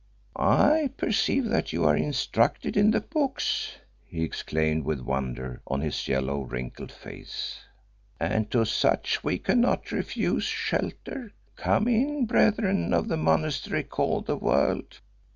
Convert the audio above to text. "I perceive that you are instructed in the Books," he exclaimed with wonder on his yellow, wrinkled face, "and to such we cannot refuse shelter. Come in, brethren of the monastery called the World.